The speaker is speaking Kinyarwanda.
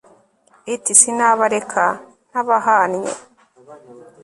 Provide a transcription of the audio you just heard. iti sinabareka ntabahannye